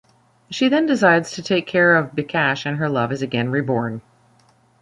She then decides to take care of Bikash and her love is again reborn.